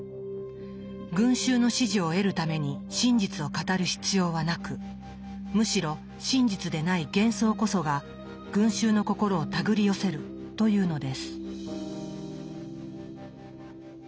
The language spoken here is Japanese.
群衆の支持を得るために真実を語る必要はなくむしろ真実でない幻想こそが群衆の心をたぐり寄せるというのです。